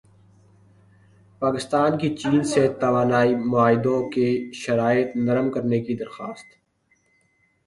پاکستان کی چین سے توانائی معاہدوں کی شرائط نرم کرنے کی درخواست